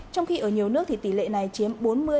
trong khi ở nhiều nước thì tỷ lệ này chiếm bốn mươi tám mươi năm